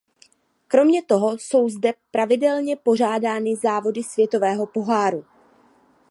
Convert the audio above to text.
Kromě toho jsou zde pravidelně pořádány závody světového poháru.